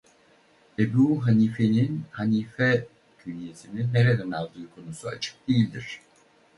Ebû Hanîfe'nin "Hanîfe" künyesini nereden aldığı konusu açık değildir.